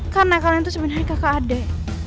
karena kalian tuh sebenernya kakak adek